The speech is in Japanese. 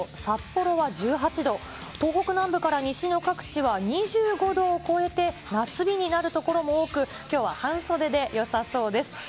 札幌は１８度、東北南部から西の各地は２５度を超えて、夏日になる所も多く、きょうは半袖でよさそうです。